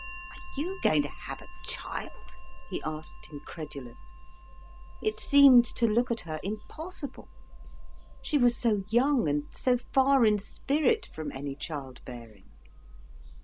"Are you going to have a child?" he asked incredulous. It seemed, to look at her, impossible, she was so young and so far in spirit from any childbearing.